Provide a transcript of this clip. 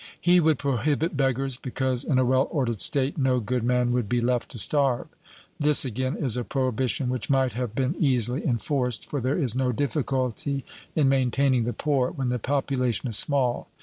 He would prohibit beggars, because in a well ordered state no good man would be left to starve. This again is a prohibition which might have been easily enforced, for there is no difficulty in maintaining the poor when the population is small.